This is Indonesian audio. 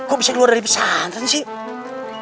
kok bisa keluar dari pesantren sih